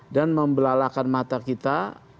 dan membelalakan mata kita